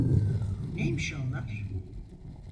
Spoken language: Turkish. Neymiş onlar?